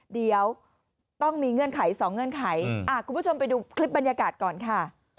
เดี๋ยวต้องมีเงื่อนไขสองเงื่อนไขคุณผู้ชมไปดูคลิปบรรยากาศก่อนค่ะ